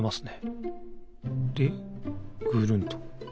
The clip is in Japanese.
でぐるんと。